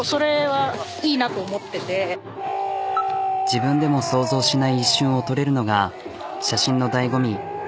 自分でも想像しない一瞬を撮れるのが写真のだいご味。